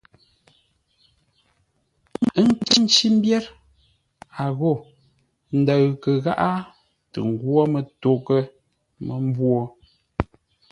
Ə́ kə̂ ncí mbyér, a ghô ndəʉ kə gháʼá tə ngwó mətoghʼə́ mə́mbwô!